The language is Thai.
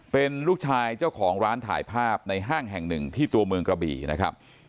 เป็นลูกชายเจ้าของร้านถ่ายภาพในห้างแห่งหนึ่งที่ตัวเมืองกระบี่นะครับ